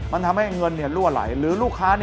มันทำให้เงินรั่วไหลหรือลูกค้า